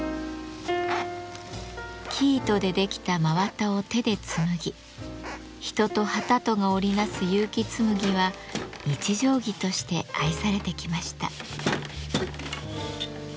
生糸で出来た真綿を手で紡ぎ人と機とが織り成す結城紬は日常着として愛されてきました。